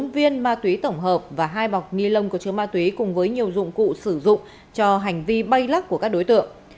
bốn viên ma túy tổng hợp và hai bọc ni lông có chứa ma túy cùng với nhiều dụng cụ sử dụng cho hành vi bay lắc của các đối tượng